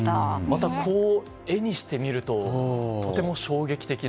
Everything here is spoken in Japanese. また、絵にしてみるととても衝撃的な。